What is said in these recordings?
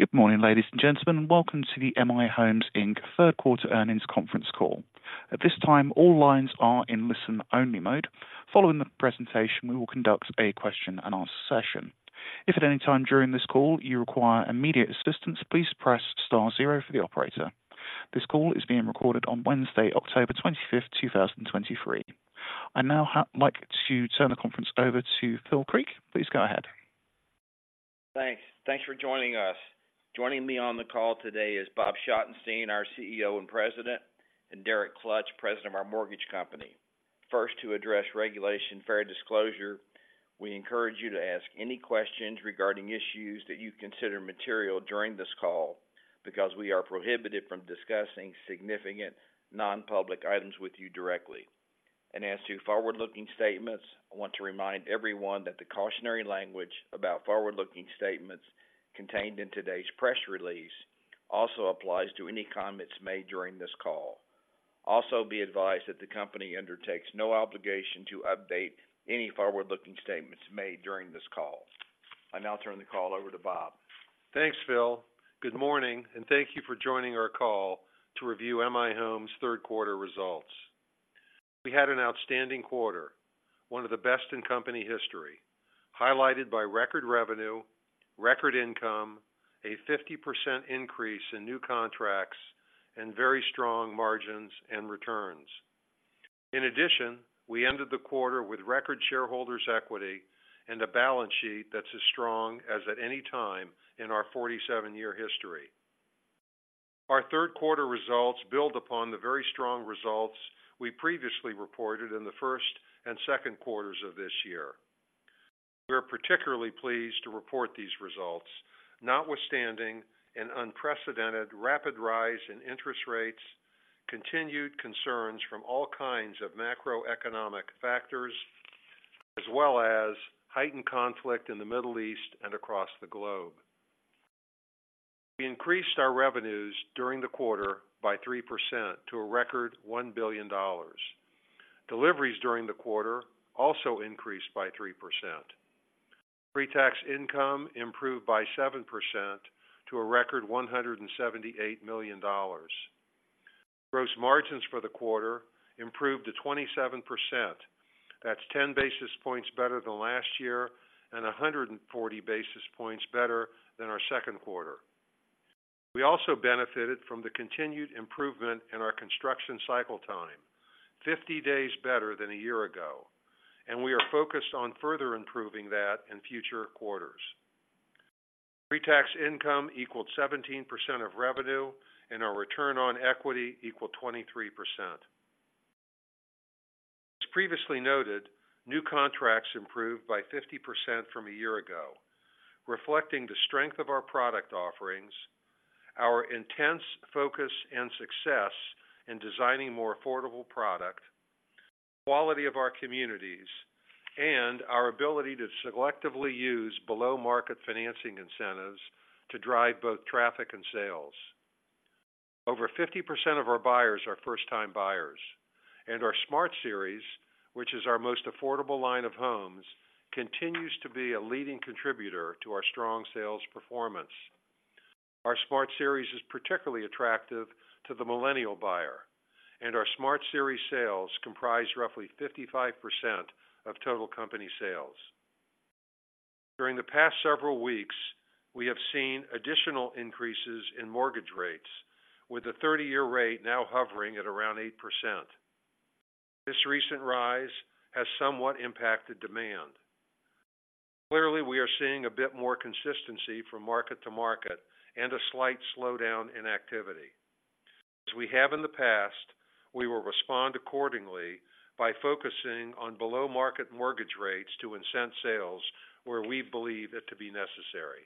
Good morning, ladies and gentlemen. Welcome to the M/I Homes, Inc. third quarter earnings conference call. At this time, all lines are in listen-only mode. Following the presentation, we will conduct a question-and-answer session. If at any time during this call you require immediate assistance, please press star zero for the operator. This call is being recorded on Wednesday, October 25, 2023. I now like to turn the conference over to Phil Creek. Please go ahead. Thanks. Thanks for joining us. Joining me on the call today is Bob Schottenstein, our CEO and President, and Derek Klutch, President of our mortgage company. First, to address Regulation Fair Disclosure, we encourage you to ask any questions regarding issues that you consider material during this call because we are prohibited from discussing significant non-public items with you directly. As to forward-looking statements, I want to remind everyone that the cautionary language about forward-looking statements contained in today's press release also applies to any comments made during this call. Also, be advised that the company undertakes no obligation to update any forward-looking statements made during this call. I now turn the call over to Bob. Thanks, Phil. Good morning, and thank you for joining our call to review M/I Homes' third quarter results. We had an outstanding quarter, one of the best in company history, highlighted by record revenue, record income, a 50% increase in new contracts, and very strong margins and returns. In addition, we ended the quarter with record shareholders' equity and a balance sheet that's as strong as at any time in our 47-year history. Our third quarter results build upon the very strong results we previously reported in the first and second quarters of this year. We are particularly pleased to report these results, notwithstanding an unprecedented rapid rise in interest rates, continued concerns from all kinds of macroeconomic factors, as well as heightened conflict in the Middle East and across the globe. We increased our revenues during the quarter by 3% to a record $1 billion. Deliveries during the quarter also increased by 3%. Pre-tax income improved by 7% to a record $178 million. Gross margins for the quarter improved to 27%. That's 10 basis points better than last year and 140 basis points better than our second quarter. We also benefited from the continued improvement in our construction cycle time, 50 days better than a year ago, and we are focused on further improving that in future quarters. Pre-tax income equaled 17% of revenue, and our return on equity equaled 23%. As previously noted, new contracts improved by 50% from a year ago, reflecting the strength of our product offerings, our intense focus and success in designing more affordable product, the quality of our communities, and our ability to selectively use below-market financing incentives to drive both traffic and sales. Over 50% of our buyers are first-time buyers, and our Smart Series, which is our most affordable line of homes, continues to be a leading contributor to our strong sales performance. Our Smart Series is particularly attractive to the millennial buyer, and our Smart Series sales comprise roughly 55% of total company sales. During the past several weeks, we have seen additional increases in mortgage rates, with the 30-year rate now hovering at around 8%. This recent rise has somewhat impacted demand. Clearly, we are seeing a bit more consistency from market to market and a slight slowdown in activity. As we have in the past, we will respond accordingly by focusing on below-market mortgage rates to incent sales where we believe it to be necessary.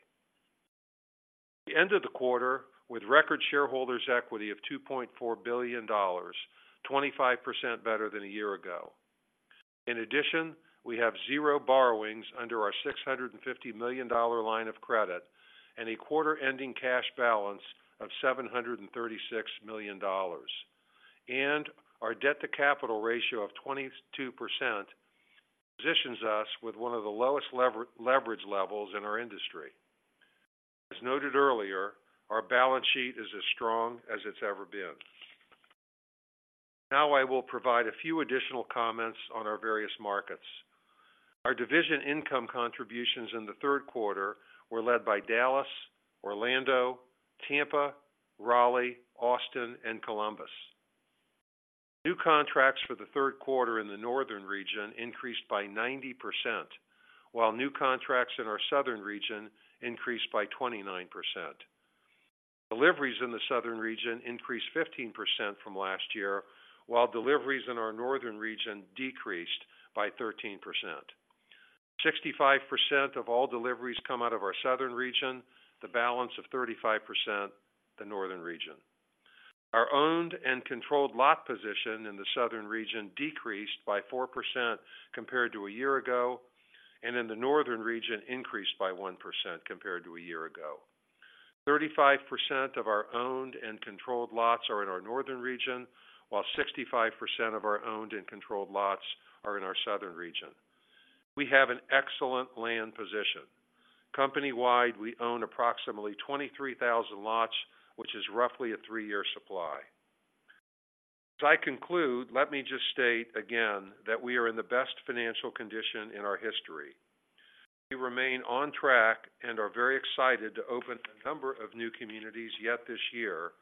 We ended the quarter with record shareholders' equity of $2.4 billion, 25% better than a year ago. In addition, we have zero borrowings under our $650 million line of credit and a quarter-ending cash balance of $736 million. Our debt-to-capital ratio of 22% positions us with one of the lowest leverage levels in our industry. As noted earlier, our balance sheet is as strong as it's ever been. Now, I will provide a few additional comments on our various markets. Our division income contributions in the third quarter were led by Dallas, Orlando, Tampa, Raleigh, Austin, and Columbus. New contracts for the third quarter in the northern region increased by 90%, while new contracts in our southern region increased by 29%. Deliveries in the southern region increased 15% from last year, while deliveries in our northern region decreased by 13%. 65% of all deliveries come out of our southern region, the balance of 35%, the northern region. Our owned and controlled lot position in the southern region decreased by 4% compared to a year ago, and in the northern region, increased by 1% compared to a year ago. 35% of our owned and controlled lots are in our northern region, while 65% of our owned and controlled lots are in our southern region. We have an excellent land position. Company-wide, we own approximately 23,000 lots, which is roughly a 3-year supply. As I conclude, let me just state again that we are in the best financial condition in our history. We remain on track and are very excited to open a number of new communities yet this year,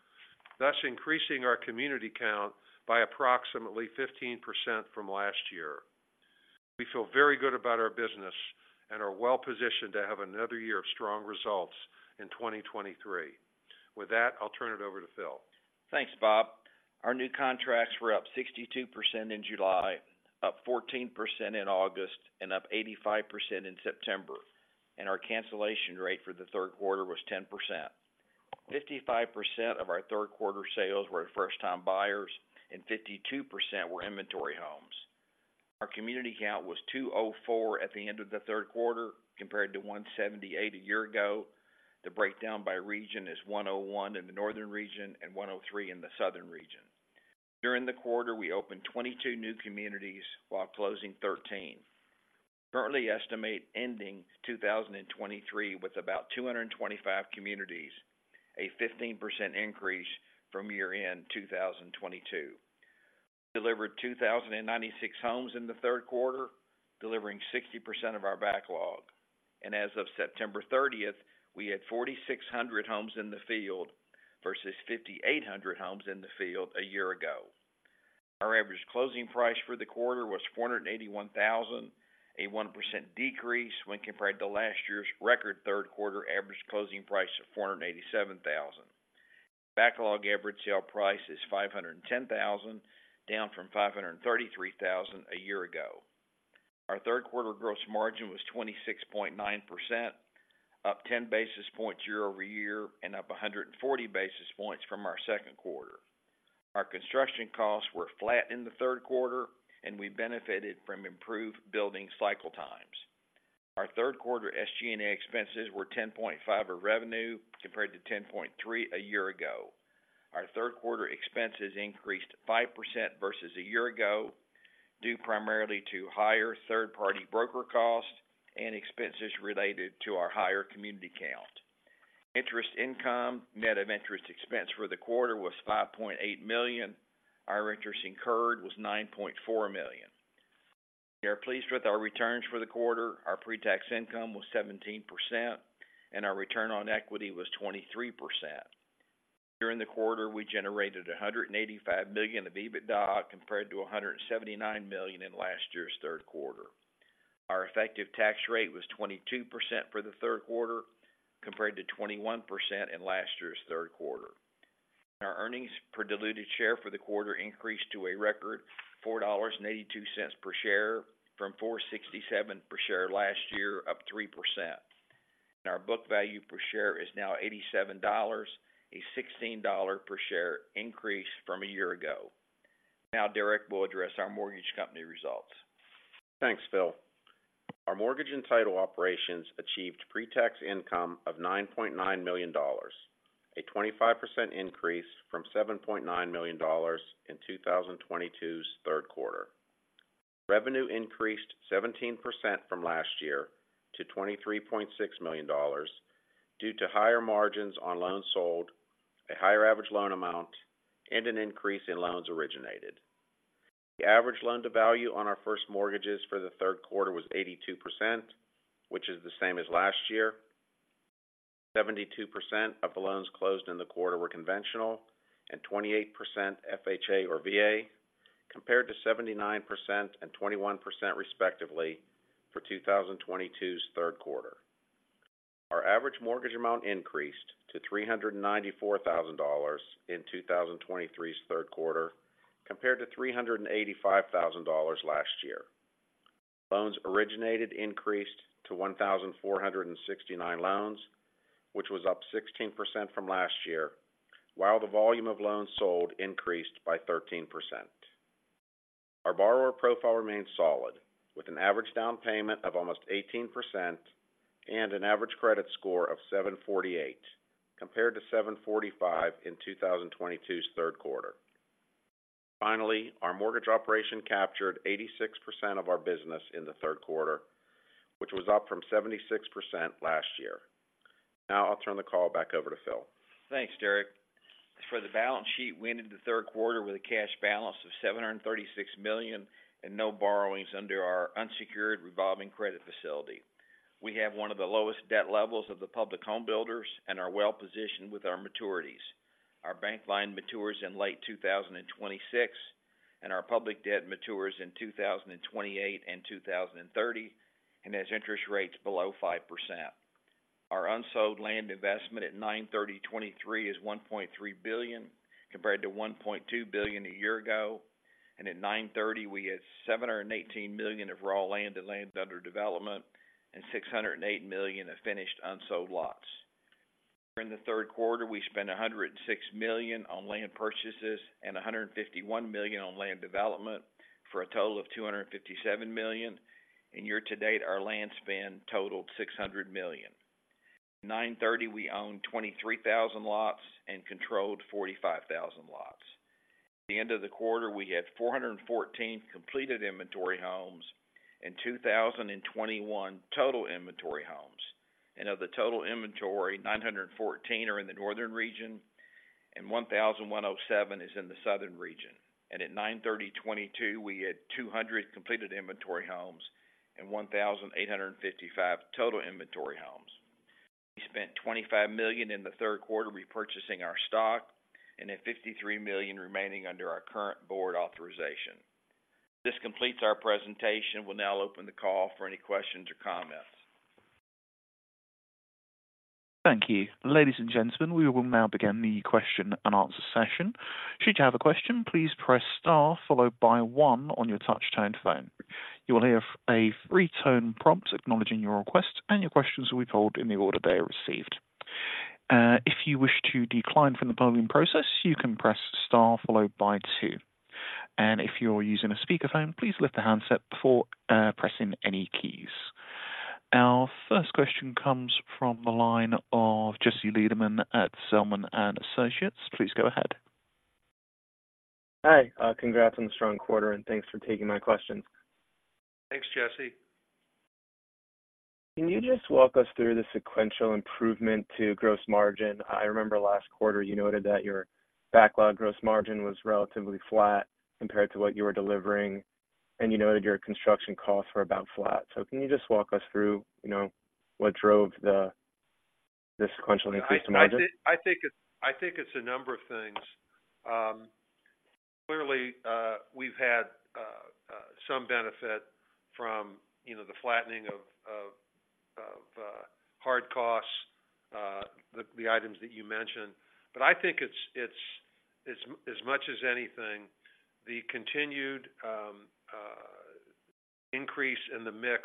thus increasing our community count by approximately 15% from last year. We feel very good about our business and are well-positioned to have another year of strong results in 2023. With that, I'll turn it over to Phil. Thanks, Bob. Our new contracts were up 62% in July, up 14% in August, and up 85% in September, and our cancellation rate for the third quarter was 10%. 55% of our third quarter sales were first-time buyers, and 52% were inventory homes. Our community count was 204 at the end of the third quarter, compared to 178 a year ago. The breakdown by region is 101 in the northern region and 103 in the southern region. During the quarter, we opened 22 new communities while closing 13. Currently estimate ending 2023 with about 225 communities, a 15% increase from year-end 2022. Delivered 2,096 homes in the third quarter, delivering 60% of our backlog. As of September 30th, we had 4,600 homes in the field versus 5,800 homes in the field a year ago. Our average closing price for the quarter was $481,000, a 1% decrease when compared to last year's record third quarter average closing price of $487,000. Backlog average sale price is $510,000, down from $533,000 a year ago. Our third quarter gross margin was 26.9%, up 10 basis points year-over-year, and up 140 basis points from our second quarter. Our construction costs were flat in the third quarter, and we benefited from improved building cycle times. Our third quarter SG&A expenses were 10.5% of revenue, compared to 10.3% a year ago. Our third quarter expenses increased 5% versus a year ago, due primarily to higher third-party broker costs and expenses related to our higher community count. Interest income, net of interest expense for the quarter was $5.8 million. Our interest incurred was $9.4 million. We are pleased with our returns for the quarter. Our pre-tax income was 17%, and our return on equity was 23%. During the quarter, we generated $185 million of EBITDA, compared to $179 million in last year's third quarter. Our effective tax rate was 22% for the third quarter, compared to 21% in last year's third quarter. Our earnings per diluted share for the quarter increased to a record $4.82 per share, from $4.67 per share last year, up 3%. Our book value per share is now $87, a $16 per share increase from a year ago. Now, Derek will address our mortgage company results. Thanks, Phil. Our mortgage and title operations achieved pre-tax income of $9.9 million, a 25% increase from $7.9 million in 2022's third quarter. Revenue increased 17% from last year to $23.6 million due to higher margins on loans sold, a higher average loan amount, and an increase in loans originated. The average loan to value on our first mortgages for the third quarter was 82%, which is the same as last year. 72% of the loans closed in the quarter were conventional, and 28% FHA or VA, compared to 79% and 21%, respectively, for 2022's third quarter. Our average mortgage amount increased to $394,000 in 2023's third quarter, compared to $385,000 last year. Loans originated increased to 1,469 loans, which was up 16% from last year, while the volume of loans sold increased by 13%. Our borrower profile remains solid, with an average down payment of almost 18% and an average credit score of 748, compared to 745 in 2022's third quarter. Finally, our mortgage operation captured 86% of our business in the third quarter, which was up from 76% last year. Now I'll turn the call back over to Phil. Thanks, Derek. For the balance sheet, we ended the third quarter with a cash balance of $736 million, and no borrowings under our unsecured revolving credit facility. We have one of the lowest debt levels of the public home builders and are well-positioned with our maturities. Our bank line matures in late 2026, and our public debt matures in 2028 and 2030, and has interest rates below 5%. Our unsold land investment at 9/30/2023 is $1.3 billion, compared to $1.2 billion a year ago, and at 9/30, we had $718 million of raw land and land under development, and $608 million of finished, unsold lots. During the third quarter, we spent $106 million on land purchases and $151 million on land development, for a total of $257 million. And year-to-date, our land spend totaled $600 million. At 9/30, we owned 23,000 lots and controlled 45,000 lots. At the end of the quarter, we had 414 completed inventory homes and 2,021 total inventory homes. And of the total inventory, 914 are in the northern region and 1,107 is in the southern region. And at 9/30/2022, we had 200 completed inventory homes and 1,855 total inventory homes. We spent $25 million in the third quarter repurchasing our stock, and then $53 million remaining under our current board authorization. This completes our presentation. We'll now open the call for any questions or comments. Thank you. Ladies and gentlemen, we will now begin the question and answer session. Should you have a question, please press star followed by one on your touch-tone phone. You will hear a three-tone prompt acknowledging your request, and your questions will be told in the order they are received. If you wish to decline from the polling process, you can press star followed by two. If you're using a speakerphone, please lift the handset before pressing any keys. Our first question comes from the line of Jesse Lederman at Zelman & Associates. Please go ahead. Hi, congrats on the strong quarter, and thanks for taking my questions. Thanks, Jesse. Can you just walk us through the sequential improvement to gross margin? I remember last quarter you noted that your backlog gross margin was relatively flat compared to what you were delivering, and you noted your construction costs were about flat. So can you just walk us through, you know, what drove the, the sequential increase in margin? I think it's a number of things. Clearly, we've had some benefit from, you know, the flattening of hard costs, the items that you mentioned. But I think it's, as much as anything, the continued increase in the mix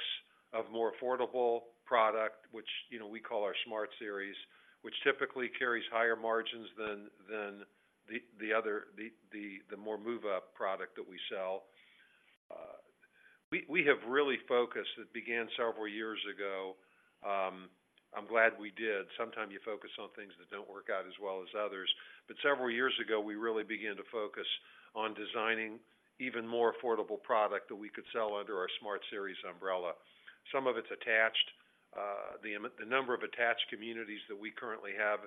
of more affordable product, which, you know, we call our Smart Series, which typically carries higher margins than the more move up product that we sell. We have really focused. It began several years ago, I'm glad we did. Sometimes you focus on things that don't work out as well as others. But several years ago, we really began to focus on designing even more affordable product that we could sell under our Smart Series umbrella. Some of it's attached. The number of attached communities that we currently have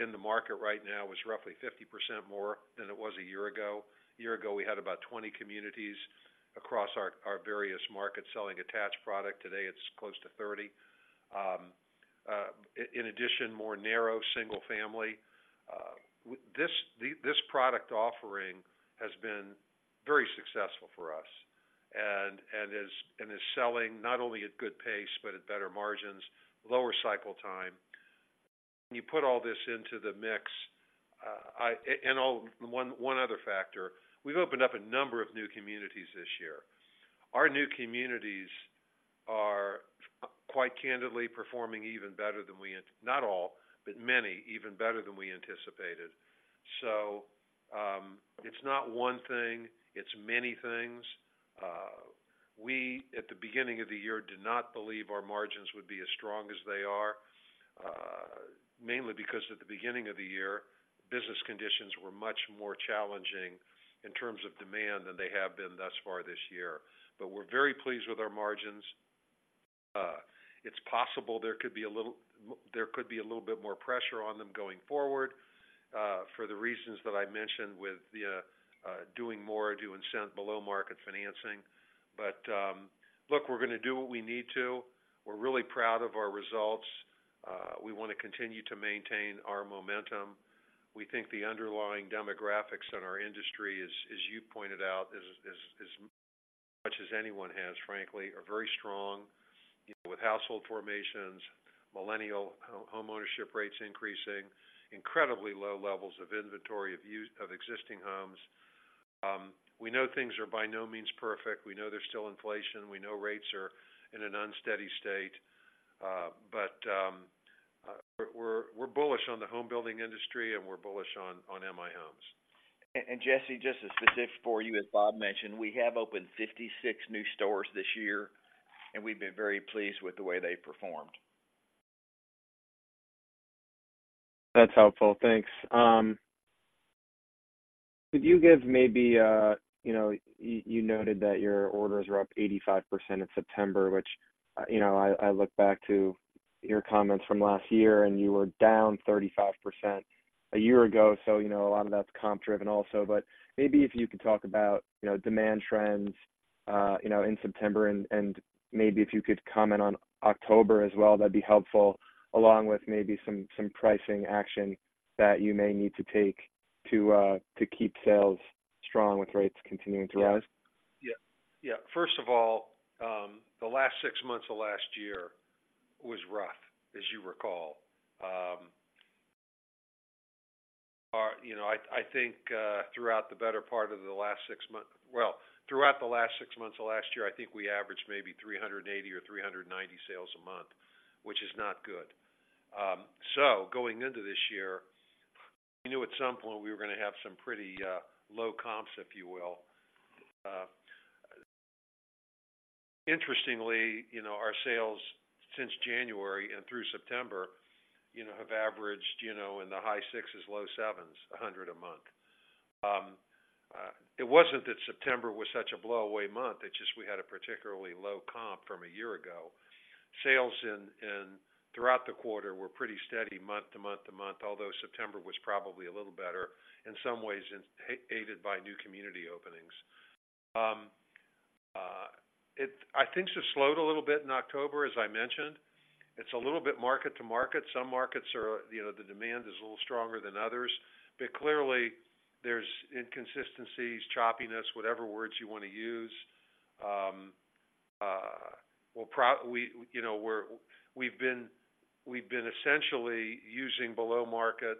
in the market right now is roughly 50% more than it was a year ago. A year ago, we had about 20 communities across our various markets selling attached product. Today, it's close to 30. In addition, more narrow single family. This product offering has been very successful for us and is selling not only at good pace, but at better margins, lower cycle time. When you put all this into the mix, one other factor, we've opened up a number of new communities this year. Our new communities are quite candidly performing even better than we anticipated. Not all, but many, even better than we anticipated. So, it's not one thing, it's many things. We, at the beginning of the year, did not believe our margins would be as strong as they are, mainly because at the beginning of the year, business conditions were much more challenging in terms of demand than they have been thus far this year. But we're very pleased with our margins. It's possible there could be a little bit more pressure on them going forward, for the reasons that I mentioned with the doing more to incent below-market financing. But, look, we're going to do what we need to. We're really proud of our results. We want to continue to maintain our momentum. We think the underlying demographics in our industry, as you pointed out, as much as anyone has, frankly, are very strong, you know, with household formations, millennial homeownership rates increasing, incredibly low levels of inventory of used existing homes. We know things are by no means perfect. We know there's still inflation, we know rates are in an unsteady state, but we're bullish on the home building industry, and we're bullish on M/I Homes. Jesse, just as specific for you, as Bob mentioned, we have opened 56 new stores this year, and we've been very pleased with the way they performed. That's helpful. Thanks. Could you give maybe, you know, you noted that your orders were up 85% in September, which, you know, I look back to your comments from last year, and you were down 35% a year ago. So, you know, a lot of that's comp driven also. But maybe if you could talk about, you know, demand trends, you know, in September, and maybe if you could comment on October as well, that'd be helpful, along with maybe some pricing action that you may need to take to keep sales strong with rates continuing to rise. Yeah. Yeah. First of all, the last six months of last year was rough, as you recall. Well, throughout the last six months of last year, I think we averaged maybe 380 or 390 sales a month, which is not good. So going into this year, we knew at some point we were going to have some pretty low comps, if you will. Interestingly, you know, our sales since January and through September, you know, have averaged, you know, in the high 600s-low 700s a month. It wasn't that September was such a blowaway month, it's just we had a particularly low comp from a year ago. Sales throughout the quarter were pretty steady month-to-month, although September was probably a little better in some ways, aided by new community openings. I think this slowed a little bit in October, as I mentioned. It's a little bit market to market. Some markets are, you know, the demand is a little stronger than others, but clearly there's inconsistencies, choppiness, whatever words you want to use. You know, we've been essentially using below market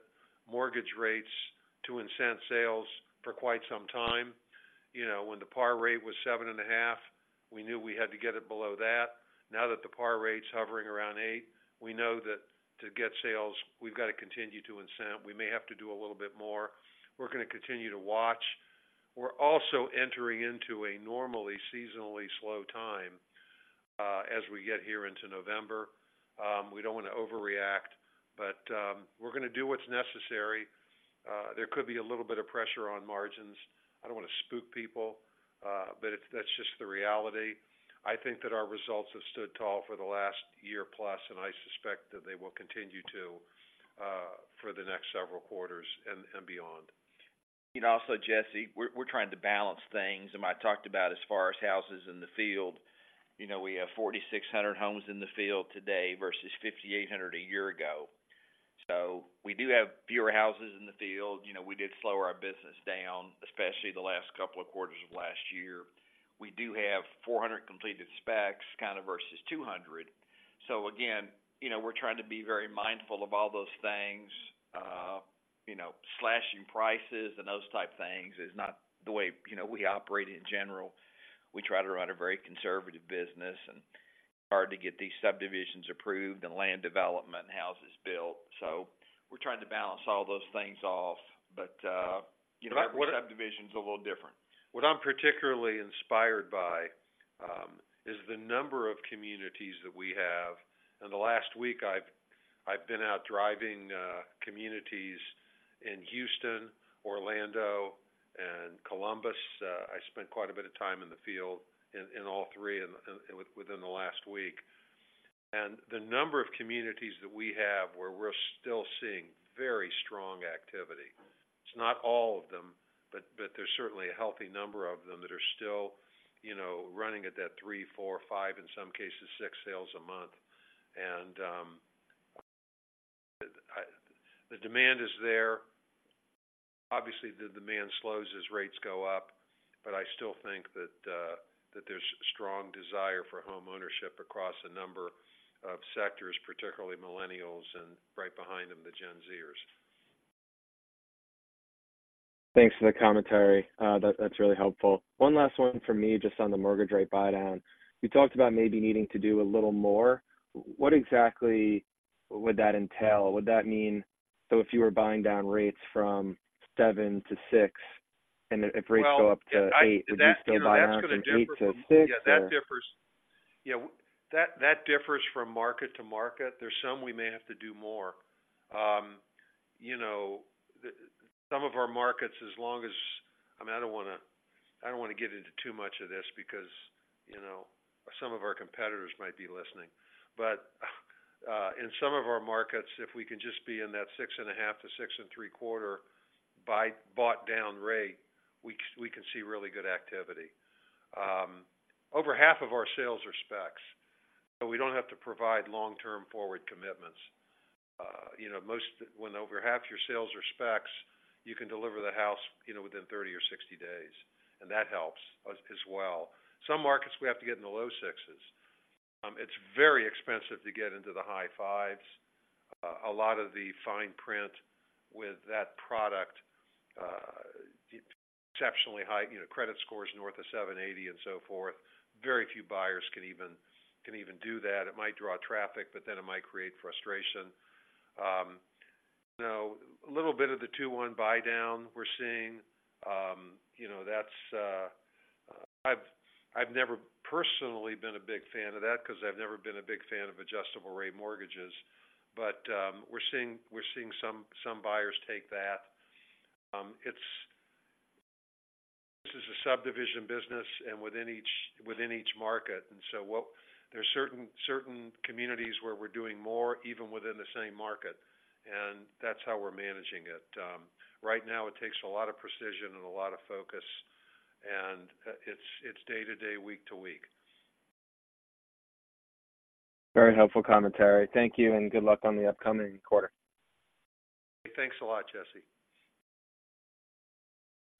mortgage rates to incent sales for quite some time. You know, when the par rate was 7.5%, we knew we had to get it below that. Now that the par rate's hovering around 8%, we know that to get sales, we've got to continue to incent. We may have to do a little bit more. We're going to continue to watch. We're also entering into a normally seasonally slow time as we get here into November. We don't want to overreact, but we're going to do what's necessary. There could be a little bit of pressure on margins. I don't want to spook people, but it's... That's just the reality. I think that our results have stood tall for the last year plus, and I suspect that they will continue to for the next several quarters and beyond. And also, Jesse, we're trying to balance things. And I talked about as far as houses in the field, you know, we have 4,600 homes in the field today versus 5,800 a year ago. So we do have fewer houses in the field. You know, we did slow our business down, especially the last couple of quarters of last year. We do have 400 completed specs, kind of versus 200. So again, you know, we're trying to be very mindful of all those things. You know, slashing prices and those type things is not the way, you know, we operate in general. We try to run a very conservative business and hard to get these subdivisions approved and land development and houses built. So we're trying to balance all those things off. But, you know, every subdivision is a little different. What I'm particularly inspired by is the number of communities that we have. In the last week, I've been out driving communities in Houston, Orlando, and Columbus. I spent quite a bit of time in the field in all three and within the last week. And the number of communities that we have, where we're still seeing very strong activity, it's not all of them, but there's certainly a healthy number of them that are still, you know, running at that three, four, five, in some cases, six sales a month. The demand is there. Obviously, the demand slows as rates go up, but I still think that that there's strong desire for homeownership across a number of sectors, particularly Millennials and right behind them, the Gen Z-ers. Thanks for the commentary. That's really helpful. One last one from me, just on the mortgage rate buy-down. You talked about maybe needing to do a little more. What exactly would that entail? Would that mean, so if you were buying down rates from 7%-6%, and if rates go up to 8%, would you still buy down from 8%-6% or? Yeah, that differs. Yeah, that, that differs from market to market. There's some we may have to do more. You know, some of our markets, as long as... I mean, I don't wanna, I don't want to get into too much of this because, you know, some of our competitors might be listening. But, in some of our markets, if we can just be in that 6.5%-6.75% bought-down rate, we, we can see really good activity. Over half of our sales are specs, so we don't have to provide long-term forward commitments. You know, when over half your sales are specs, you can deliver the house, you know, within 30 or 60 days, and that helps as, as well. Some markets, we have to get in the low 6s. It's very expensive to get into the high 5s. A lot of the fine print with that product, exceptionally high, you know, credit scores north of 780 and so forth. Very few buyers can even, can even do that. It might draw traffic, but then it might create frustration. You know, a little bit of the two-one buydown we're seeing. You know, that's, I've, I've never personally been a big fan of that because I've never been a big fan of adjustable-rate mortgages. But, we're seeing, we're seeing some, some buyers take that. It's... This is a subdivision business and within each, within each market, and so what, there are certain, certain communities where we're doing more, even within the same market, and that's how we're managing it. Right now, it takes a lot of precision and a lot of focus, and it's day-to-day, week-to-week. Very helpful commentary. Thank you, and good luck on the upcoming quarter. Thanks a lot, Jesse.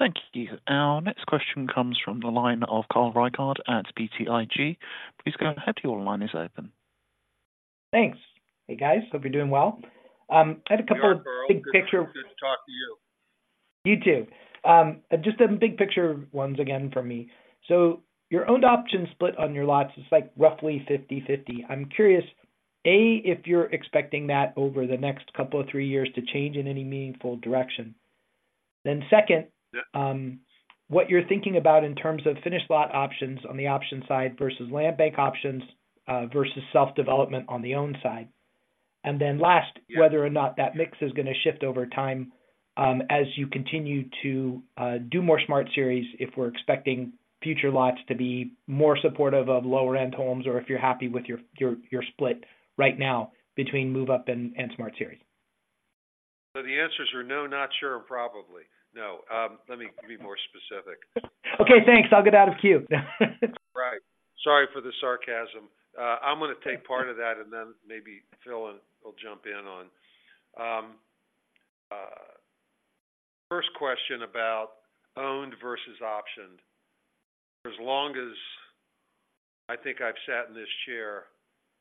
Thank you. Our next question comes from the line of Carl Reichardt at BTIG. Please go ahead. Your line is open. Thanks. Hey, guys, hope you're doing well. I had a couple of big picture- Good to talk to you. You too. Just a big picture once again from me. So your owned option split on your lots is, like, roughly 50/50. I'm curious, A, if you're expecting that over the next couple of three years to change in any meaningful direction? Then second, what you're thinking about in terms of finished lot options on the option side versus land bank options versus self-development on the own side. And then last, whether or not that mix is going to shift over time, as you continue to do more Smart Series, if we're expecting future lots to be more supportive of lower-end homes, or if you're happy with your split right now between move-up and Smart Series. So the answers are no, not sure, and probably. No, let me be more specific. Okay, thanks. I'll get out of queue. Right. Sorry for the sarcasm. I'm going to take part of that, and then maybe Phil will jump in on... First question about owned versus optioned. For as long as I think I've sat in this chair,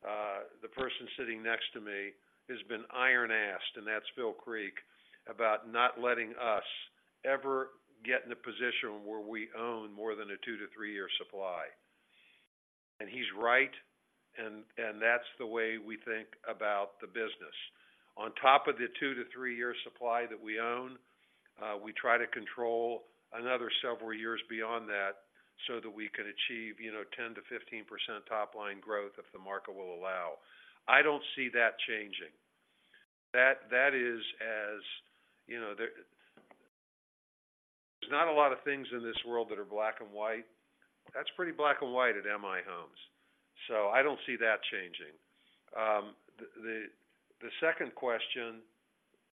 the person sitting next to me has been iron-assed, and that's Phil Creek, about not letting us ever get in a position where we own more than a two to three-year supply. And he's right, and that's the way we think about the business. On top of the two to three-year supply that we own, we try to control another several years beyond that so that we can achieve, you know, 10%-15% top-line growth if the market will allow. I don't see that changing. That is, as you know, there's not a lot of things in this world that are black and white. That's pretty black and white at M/I Homes, so I don't see that changing. The second question,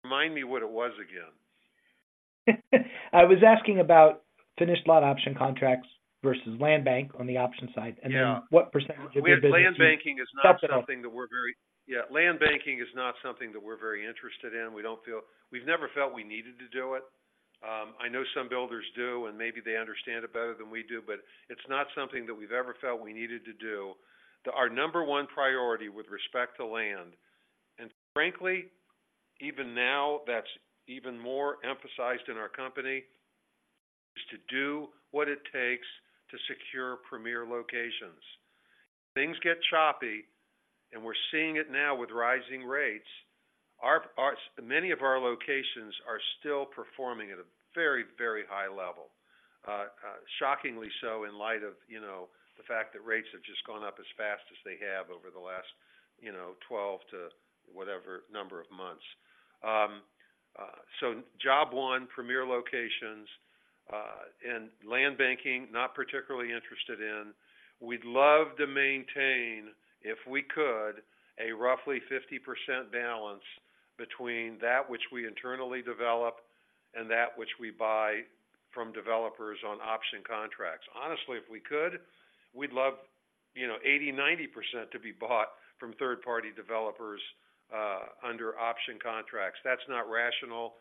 remind me what it was again. I was asking about finished lot option contracts versus land bank on the option side- Yeah. And then what percentage of your business? Land banking is not something that we're very- Stop it off. Yeah, land banking is not something that we're very interested in. We don't feel, we've never felt we needed to do it. I know some builders do, and maybe they understand it better than we do, but it's not something that we've ever felt we needed to do. Our number one priority with respect to land, and frankly, even now, that's even more emphasized in our company, is to do what it takes to secure premier locations. Things get choppy, and we're seeing it now with rising rates. Many of our locations are still performing at a very, very high level. Shockingly so, in light of, you know, the fact that rates have just gone up as fast as they have over the last, you know, 12 to whatever number of months. Job one, premier locations, and land banking, not particularly interested in. We'd love to maintain, if we could, a roughly 50% balance between that which we internally develop and that which we buy from developers on option contracts. Honestly, if we could, we'd love, you know, 80%, 90% to be bought from third-party developers, under option contracts. That's not rational.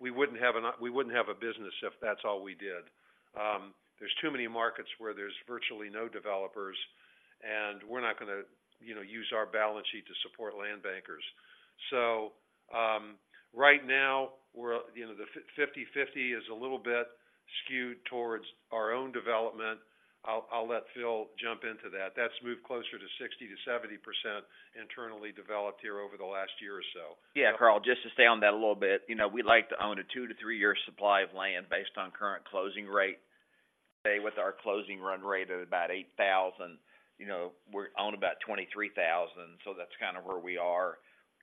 We wouldn't have a business if that's all we did. There's too many markets where there's virtually no developers, and we're not going to, you know, use our balance sheet to support land bankers. So, right now, we're, you know, the 50/50 is a little bit skewed towards our own development. I'll, I'll let Phil jump into that. That's moved closer to 60%-70% internally developed here over the last year or so. Yeah, Carl, just to stay on that a little bit. You know, we like to own a two to three-year supply of land based on current closing rate. Today, with our closing run rate at about 8,000, you know, we own about 23,000, so that's kind of where we are.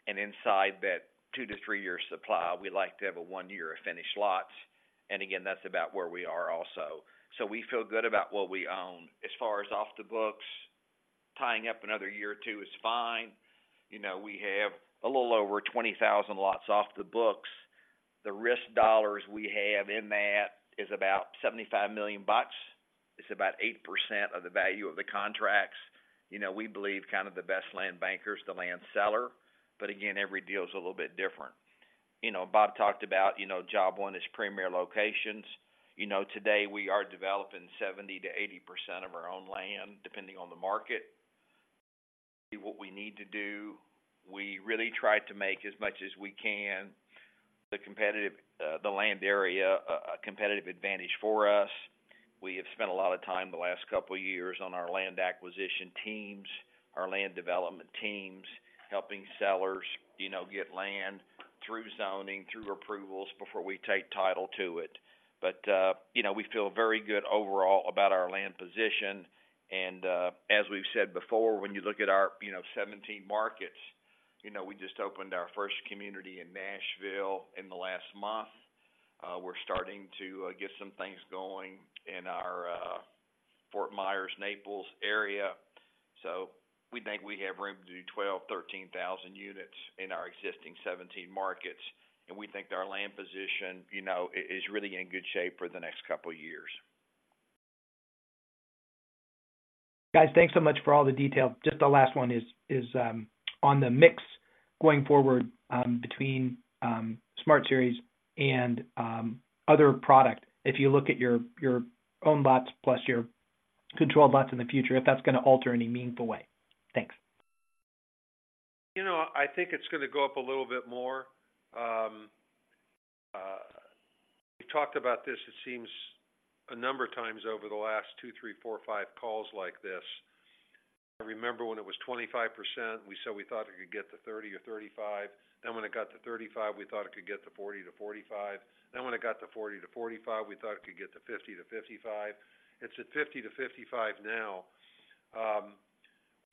And inside that two to three-year supply, we like to have a one-year of finished lots. And again, that's about where we are also. So we feel good about what we own. As far as off the books, tying up another year or two is fine. You know, we have a little over 20,000 lots off the books. The risk dollars we have in that is about $75 million. It's about 8% of the value of the contracts. You know, we believe kind of the best land banker is the land seller, but again, every deal is a little bit different. You know, Bob talked about, you know, job one is premier locations. You know, today, we are developing 70%-80% of our own land, depending on the market. What we need to do, we really try to make as much as we can, the competitive, the land area, a competitive advantage for us. We have spent a lot of time the last couple of years on our land acquisition teams, our land development teams, helping sellers, you know, get land through zoning, through approvals before we take title to it. But you know, we feel very good overall about our land position, and as we've said before, when you look at our, you know, 17 markets, you know, we just opened our first community in Nashville in the last month. We're starting to get some things going in our Fort Myers, Naples area. So we think we have room to do 12,000-13,000 units in our existing 17 markets, and we think our land position, you know, is really in good shape for the next couple of years. Guys, thanks so much for all the detail. Just the last one is on the mix going forward between Smart Series and other product. If you look at your own lots, plus your controlled lots in the future, if that's going to alter any meaningful way. Thanks. You know, I think it's going to go up a little bit more. We talked about this, it seems, a number of times over the last two, three, four, five calls like this... I remember when it was 25%, we said we thought it could get to 30% or 35%. Then when it got to 35%, we thought it could get to 40%-45%. Then when it got to 40%-45%, we thought it could get to 50%-55%. It's at 50%-55% now. We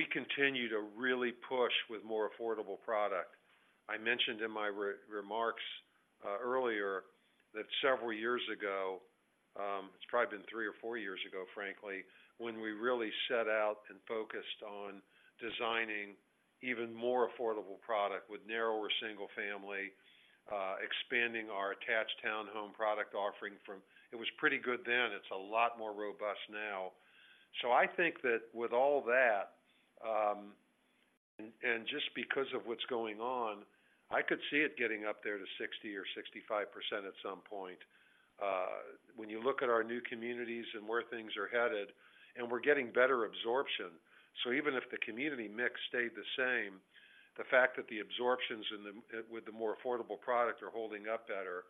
continue to really push with more affordable product. I mentioned in my remarks earlier, that several years ago, it's probably been three or four years ago, frankly, when we really set out and focused on designing even more affordable product with narrower single-family, expanding our attached townhome product offering from... It was pretty good then. It's a lot more robust now. So I think that with all that, and just because of what's going on, I could see it getting up there to 60 or 65% at some point, when you look at our new communities and where things are headed, and we're getting better absorption. So even if the community mix stayed the same, the fact that the absorptions in the, with the more affordable product are holding up better.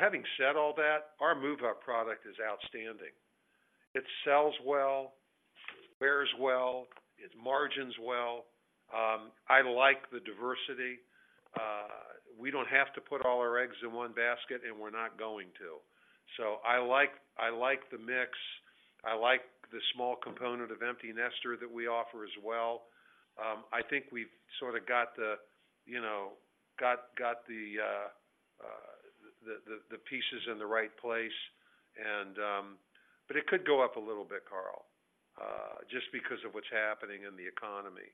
Having said all that, our move-up product is outstanding. It sells well, it wears well, it margins well. I like the diversity. We don't have to put all our eggs in one basket, and we're not going to. So I like, I like the mix. I like the small component of empty nester that we offer as well. I think we've sort of got the, you know, got the pieces in the right place, and, but it could go up a little bit, Carl, just because of what's happening in the economy.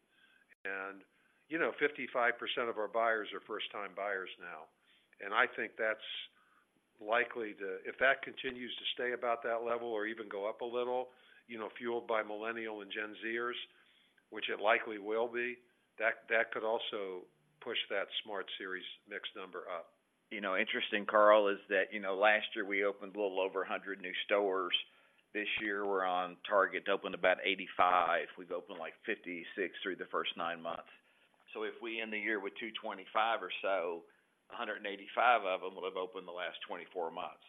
And, you know, 55% of our buyers are first-time buyers now, and I think that's likely to... If that continues to stay about that level or even go up a little, you know, fueled by Millennial and Gen Z-ers, which it likely will be, that could also push that Smart Series mix number up. You know, interesting, Carl, is that, you know, last year we opened a little over 100 new stores. This year, we're on target to open about 85. We've opened, like, 56 through the first nine months. So if we end the year with 225 or so, 185 of them will have opened the last 24 months.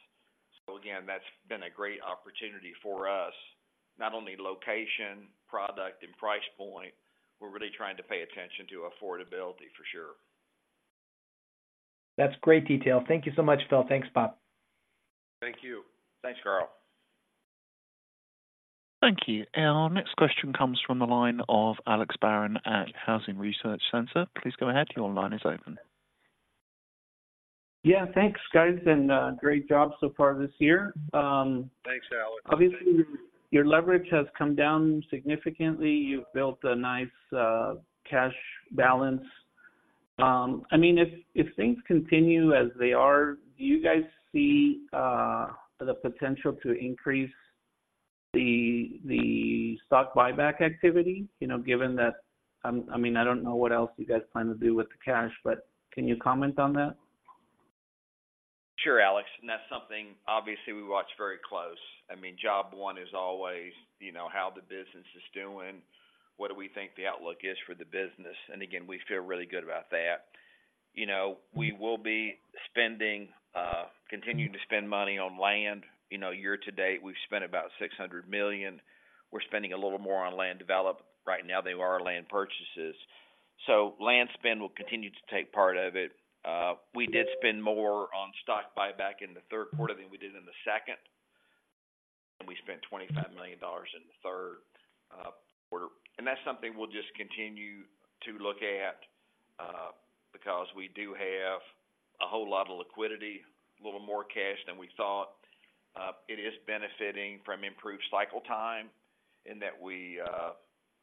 So again, that's been a great opportunity for us, not only location, product, and price point, we're really trying to pay attention to affordability for sure. That's great detail. Thank you so much, Phil. Thanks, Bob. Thank you. Thanks, Carl. Thank you. Our next question comes from the line of Alex Barron at Housing Research Center. Please go ahead. Your line is open. Yeah, thanks, guys, and great job so far this year. Thanks, Alex. Obviously, your leverage has come down significantly. You've built a nice cash balance. I mean, if things continue as they are, do you guys see the potential to increase the stock buyback activity? You know, given that, I mean, I don't know what else you guys plan to do with the cash, but can you comment on that? Sure, Alex, and that's something obviously we watch very close. I mean, job one is always, you know, how the business is doing, what do we think the outlook is for the business? And again, we feel really good about that. You know, we will be spending, continuing to spend money on land. You know, year-to-date, we've spent about $600 million. We're spending a little more on land develop right now than we are on land purchases. So land spend will continue to take part of it. We did spend more on stock buyback in the third quarter than we did in the second. We spent $25 million in the third quarter. And that's something we'll just continue to look at, because we do have a whole lot of liquidity, a little more cash than we thought. It is benefiting from improved cycle time in that we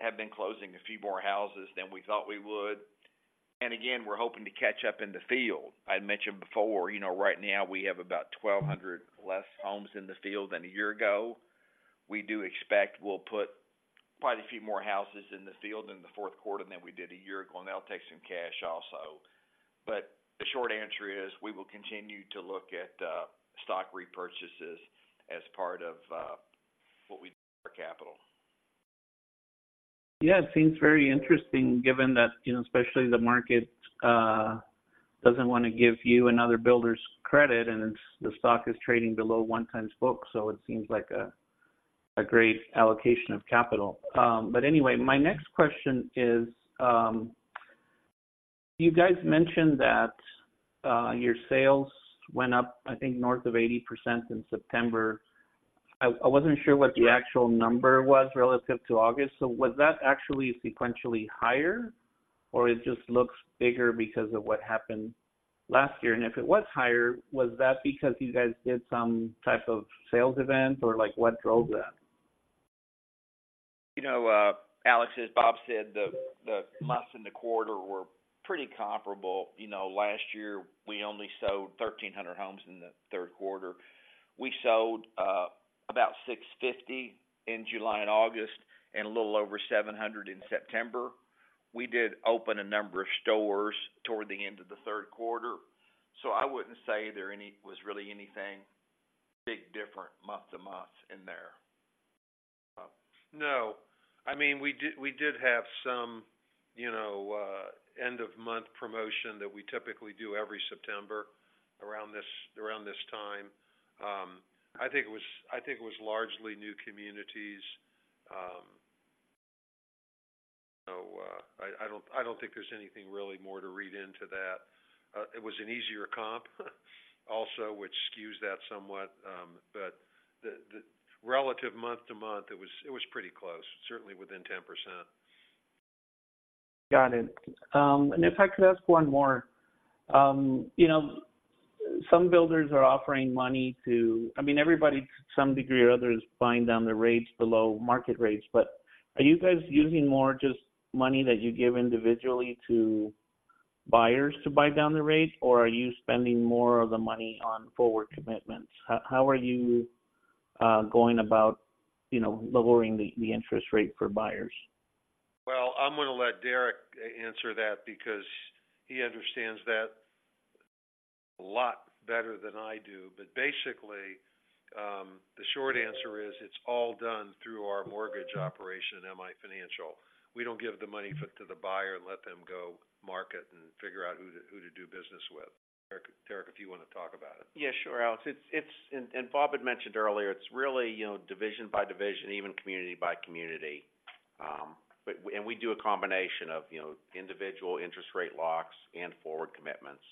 have been closing a few more houses than we thought we would. And again, we're hoping to catch up in the field. I mentioned before, you know, right now we have about 1,200 less homes in the field than a year ago. We do expect we'll put quite a few more houses in the field in the fourth quarter than we did a year ago, and that'll take some cash also. But the short answer is, we will continue to look at stock repurchases as part of what we do for capital. Yeah, it seems very interesting, given that, you know, especially the market doesn't want to give you another builder's credit, and it's the stock is trading below 1x book, so it seems like a great allocation of capital. But anyway, my next question is, you guys mentioned that your sales went up, I think, north of 80% in September. I wasn't sure what the actual number was relative to August. So was that actually sequentially higher, or it just looks bigger because of what happened last year? And if it was higher, was that because you guys did some type of sales event, or, like, what drove that? You know, Alex, as Bob said, the months in the quarter were pretty comparable. You know, last year, we only sold 1,300 homes in the third quarter. We sold about 650 in July and August, and a little over 700 in September. We did open a number of stores toward the end of the third quarter, so I wouldn't say there was any really anything big different month-to-month in there. No. I mean, we did, we did have some you know, end of month promotion that we typically do every September around this, around this time. I think it was, I think it was largely new communities. So, I don't, I don't think there's anything really more to read into that. It was an easier comp, also, which skews that somewhat. But the, the relative month-to-month, it was, it was pretty close, certainly within 10%. Got it. And if I could ask one more. You know, some builders are offering money to—I mean, everybody, to some degree or other, is buying down their rates below market rates, but are you guys using more just money that you give individually to buyers to buy down the rates? Or are you spending more of the money on forward commitments? How, how are you going about, you know, lowering the, the interest rate for buyers? Well, I'm going to let Derek answer that because he understands that a lot better than I do. But basically, the short answer is, it's all done through our mortgage operation, M/I Financial. We don't give the money to the buyer and let them go market and figure out who to do business with. Derek, if you want to talk about it. Yeah, sure, Alex. It's... And Bob had mentioned earlier, it's really, you know, division by division, even community by community. But, and we do a combination of, you know, individual interest rate locks and forward commitments.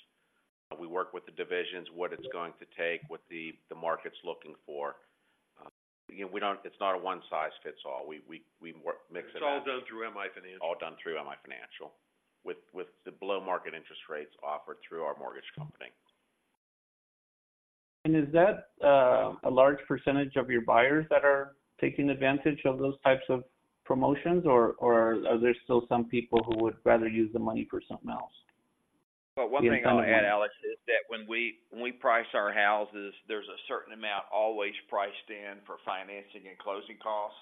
We work with the divisions, what it's going to take, what the market's looking for. You know, we don't. It's not a one size fits all. We work, mix it up. It's all done through M/I Financial. All done through M/I Financial, with the below-market interest rates offered through our mortgage company. Is that a large percentage of your buyers that are taking advantage of those types of promotions, or are there still some people who would rather use the money for something else? But one thing I'm going to add, Alex, is that when we, when we price our houses, there's a certain amount always priced in for financing and closing costs.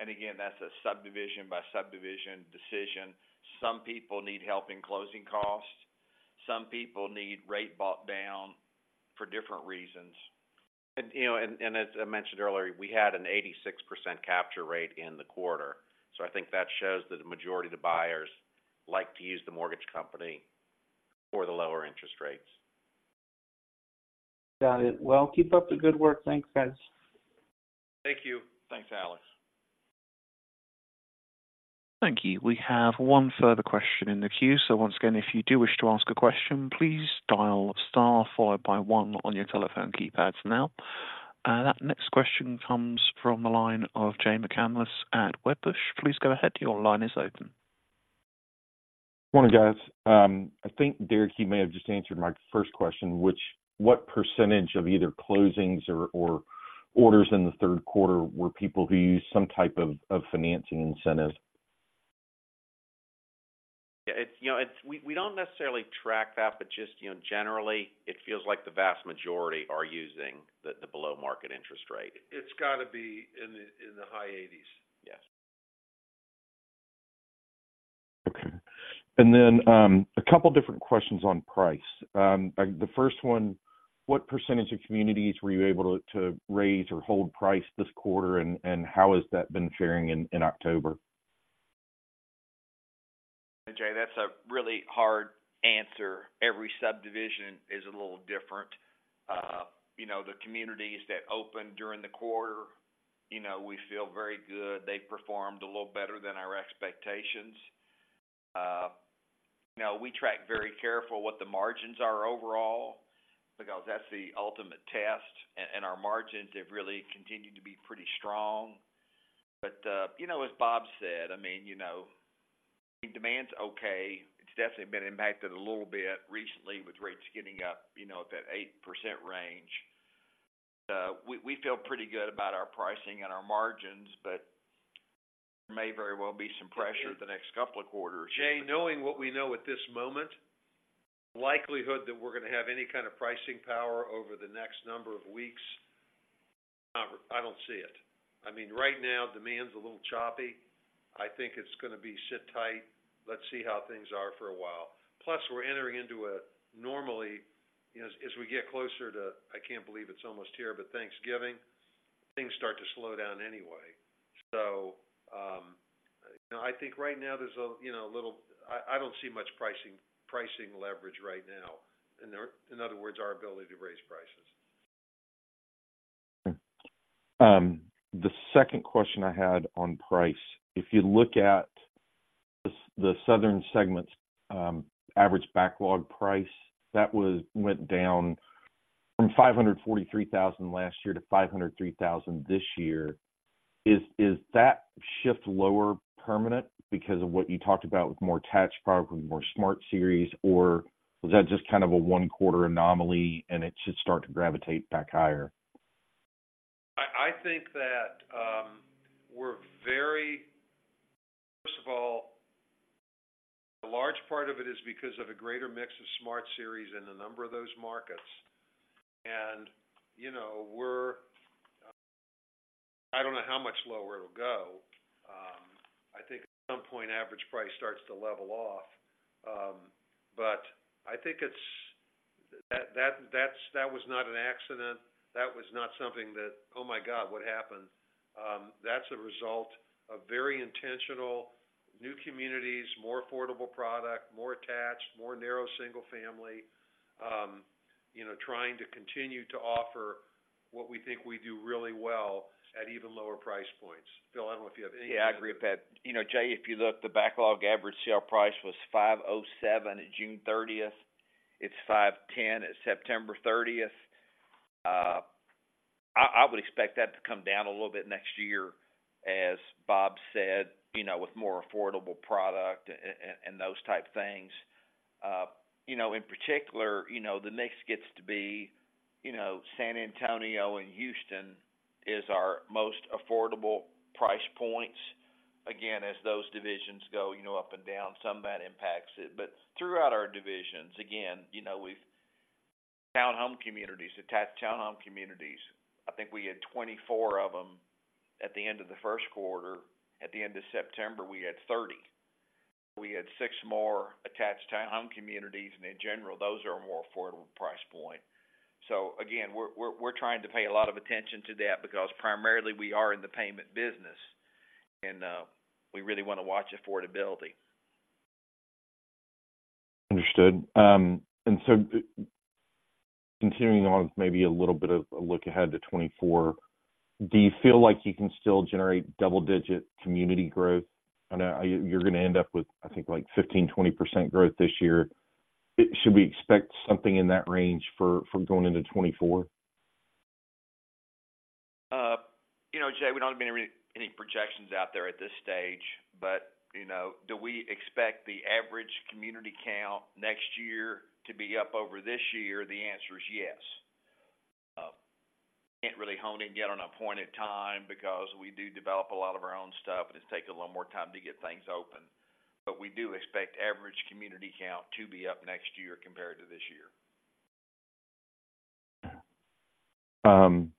And again, that's a subdivision by subdivision decision. Some people need help in closing costs. Some people need rate buy-down for different reasons. And, you know, and, and as I mentioned earlier, we had an 86% capture rate in the quarter. So I think that shows that the majority of the buyers like to use the mortgage company for the lower interest rates. Got it. Well, keep up the good work. Thanks, guys. Thank you. Thanks, Alex. Thank you. We have one further question in the queue. So once again, if you do wish to ask a question, please dial star followed by one on your telephone keypads now. That next question comes from the line of Jay McCanless at Wedbush. Please go ahead. Your line is open. Morning, guys. I think, Derek, you may have just answered my first question, which, what percentage of either closings or orders in the third quarter were people who used some type of financing incentive? Yeah, it's, you know, we don't necessarily track that, but just, you know, generally, it feels like the vast majority are using the below-market interest rate. It's got to be in the high eighties. Yes. Okay. Then, a couple of different questions on price. The first one, what percentage of communities were you able to raise or hold price this quarter, and how has that been faring in October? Jay, that's a really hard answer. Every subdivision is a little different. You know, the communities that opened during the quarter, you know, we feel very good. They performed a little better than our expectations. You know, we track very careful what the margins are overall, because that's the ultimate test, and our margins have really continued to be pretty strong. But, you know, as Bob said, I mean, you know, demand's okay. It's definitely been impacted a little bit recently with rates getting up, you know, at that 8% range. We feel pretty good about our pricing and our margins, but may very well be some pressure the next couple of quarters. Jay, knowing what we know at this moment, the likelihood that we're going to have any kind of pricing power over the next number of weeks, not. I don't see it. I mean, right now, demand's a little choppy. I think it's going to be sit tight, let's see how things are for a while. Plus, we're entering into a... Normally, as we get closer to, I can't believe it's almost here, but Thanksgiving, things start to slow down anyway. So, you know, I think right now there's a, you know, little. I don't see much pricing leverage right now, in other words, our ability to raise prices. The second question I had on price: if you look at the, the Southern segments, average backlog price, that went down from $543,000 last year to $503,000 this year. Is that shift lower permanent because of what you talked about with more attached product and more Smart Series, or was that just kind of a one-quarter anomaly and it should start to gravitate back higher? I think that we're very... First of all, a large part of it is because of a greater mix of Smart Series in a number of those markets. And, you know, we're... I don't know how much lower it'll go. I think at some point, average price starts to level off... but I think it's, that was not an accident. That was not something that, "Oh, my God, what happened?" That's a result of very intentional new communities, more affordable product, more attached, more narrow single family. You know, trying to continue to offer what we think we do really well at even lower price points. Phil, I don't know if you have anything- Yeah, I agree with that. You know, Jay, if you look, the backlog average sale price was $507 at June 30. It's $510 at September 30th. I would expect that to come down a little bit next year, as Bob said, you know, with more affordable product and those type things. You know, in particular, you know, the next gets to be, you know, San Antonio and Houston is our most affordable price points. Again, as those divisions go, you know, up and down, some of that impacts it. But throughout our divisions, again, you know, we've town home communities, attached town home communities. I think we had 24 of them at the end of the first quarter. At the end of September, we had 30. We had six more attached town home communities, and in general, those are a more affordable price point. So again, we're trying to pay a lot of attention to that because primarily we are in the payment business, and we really want to watch affordability. Understood. And so, continuing on with maybe a little bit of a look ahead to 2024, do you feel like you can still generate double-digit community growth? I know you're going to end up with, I think, like 15%-20% growth this year. Should we expect something in that range for, for going into 2024? You know, Jay, we don't have any projections out there at this stage, but, you know, do we expect the average Community Count next year to be up over this year? The answer is yes. Can't really hone in yet on a point in time because we do develop a lot of our own stuff, and it's taking a little more time to get things open. But we do expect average Community Count to be up next year compared to this year. and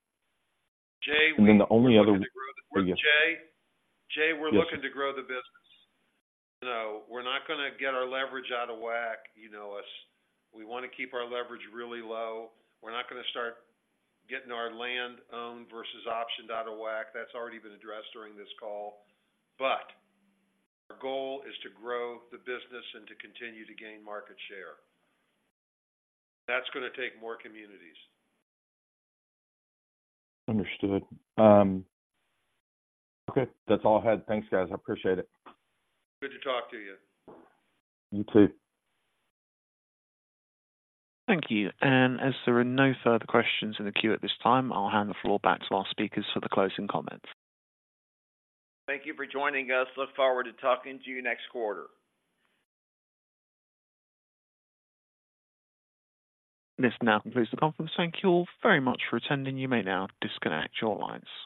then the only other- Jay, we're looking to grow the business. Yes. Jay, we're looking to grow the business. You know, we're not going to get our leverage out of whack. You know us. We want to keep our leverage really low. We're not going to start getting our land owned versus optioned out of whack. That's already been addressed during this call. But our goal is to grow the business and to continue to gain market share. That's going to take more communities. Understood. Okay, that's all I had. Thanks, guys. I appreciate it. Good to talk to you. You too. Thank you. As there are no further questions in the queue at this time, I'll hand the floor back to our speakers for the closing comments. Thank you for joining us. Look forward to talking to you next quarter. This now concludes the conference. Thank you all very much for attending. You may now disconnect your lines.